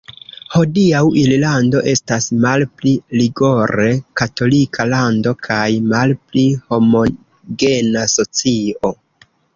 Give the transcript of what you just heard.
Hodiaŭ Irlando estas malpli rigore katolika lando kaj malpli homogena socio.